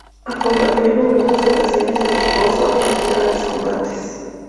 Acompañó en numerosas ocasiones a su esposo en sus grandes combates.